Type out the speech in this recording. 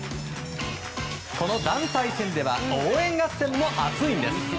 この団体戦では応援合戦も熱いんです！